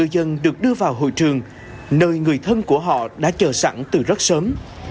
bộ ngư dân được đưa vào hội trường nơi người thân của họ đã chờ sẵn từ rất sớm